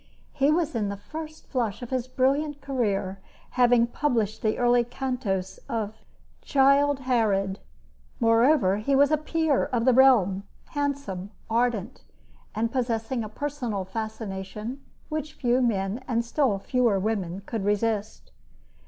He was in the first flush of his brilliant career, having published the early cantos of "Childe Harold." Moreover, he was a peer of the realm, handsome, ardent, and possessing a personal fascination which few men and still fewer women could resist.